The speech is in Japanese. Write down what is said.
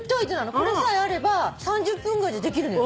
これさえあれば３０分くらいでできるのよ。